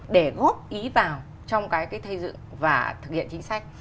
để góp ý vào trong cái thay dựng và thực hiện chính sách